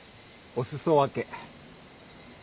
お裾分け？